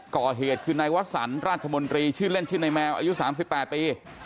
ก่อเหตุคือนายวสันราชมนตรีชื่อเล่นชื่อในแมวอายุ๓๘ปี